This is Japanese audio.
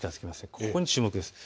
ここに注目です。